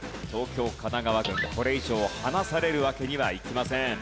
東京・神奈川軍これ以上離されるわけにはいきません。